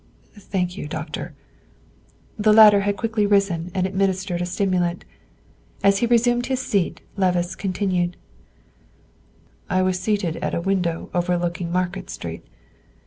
Thank you, Doctor." The latter had quietly risen and administered a stimulant. As he resumed his seat, Levice continued: "I was seated at a window overlooking Market Street.